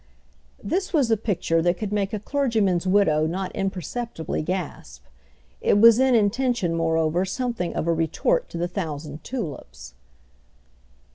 This was a picture that could make a clergyman's widow not imperceptibly gasp; it was in intention moreover something of a retort to the thousand tulips.